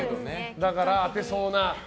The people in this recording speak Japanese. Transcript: だから当てそうな。